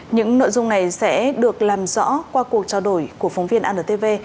những nội dung này sẽ được làm rõ qua cuộc trao đổi của phóng viên antv